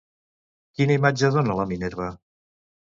Quina imatge dona la Minerva?